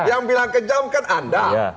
yang bilang kejam kan anda